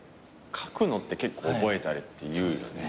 書くのって結構覚えたりっていうよね。